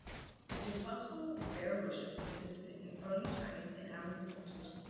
It is possible that bear worship existed in early Chinese and Ainu cultures.